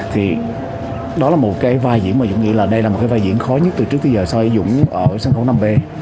thì đó là một cái vai diễn mà dũng nghĩ là đây là một cái vai diễn khó nhất từ trước tới giờ so với dũng ở sân khấu năm b